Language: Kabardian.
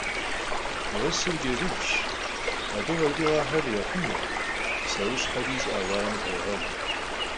Vuesır cedıguş: abı kheç'ığexer yêxhume, pseuşheri ş'ı'e vuaêm khrêğel.